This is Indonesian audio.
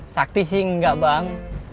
sakti sih enggak bang